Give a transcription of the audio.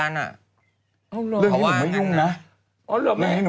ว่าก่อนไม่เห็นจะบ่น